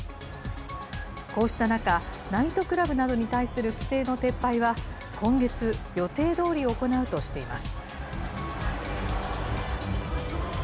こうした中、ナイトクラブなどに対する規制の撤廃は今月、予定どおり行うとしています。